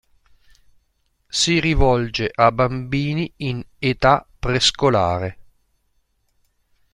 Si rivolge a bambini in età prescolare.